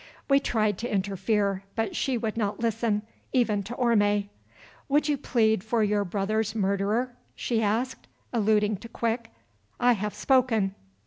We tried to interfere, but she would not listen, even to Orme. "Would you plead for your brother's murderer?" she asked, alluding to Quick. "I have spoken!"